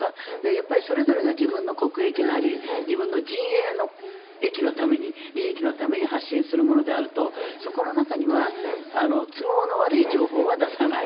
やっぱりそれぞれが自分の国益なり自分の陣営の利益のために発信するものであるとそこの中には都合の悪い情報は出さない。